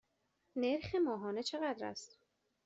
نرخ ماهانه چقدر است؟